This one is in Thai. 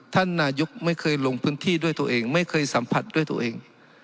ท่านนายกไม่เคยลงพื้นที่ด้วยตัวเองไม่เคยสัมผัสด้วยตัวเอง